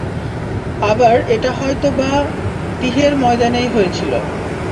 আবার এটা হয়ত বা তীহের ময়দানেই হয়েছিল।